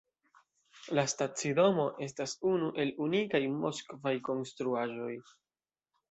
La stacidomo estas unu el unikaj moskvaj konstruaĵoj.